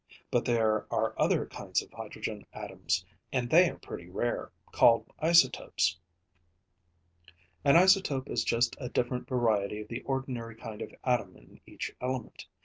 But there are other kinds of hydrogen atoms, and they are pretty rare, called isotopes. An isotope is just a different variety of the ordinary kind of atom in each element.